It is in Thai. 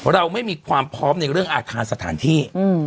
เราไม่มีความพร้อมในเรื่องอาคารสถานที่